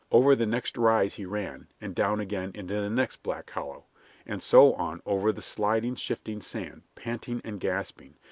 Over the next rise he ran, and down again into the next black hollow, and so on over the sliding, shifting ground, panting and gasping.